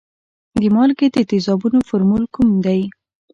د مالګې د تیزابونو فورمول کوم دی؟